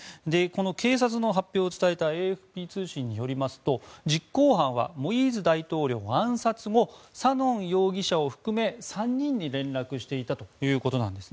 警察の発表を伝えたＡＦＰ通信によりますと実行犯はモイーズ大統領の暗殺後サノン容疑者を含め、３人に連絡していたということです。